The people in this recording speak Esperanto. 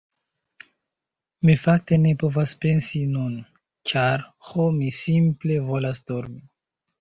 Mi fakte ne povas pensi nun, ĉar... ho mi simple volas dormi.